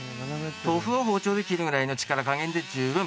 豆腐を包丁で切るぐらいの力加減で十分。